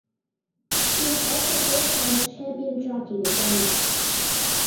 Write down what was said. He was also four times champion jockey of Denmark.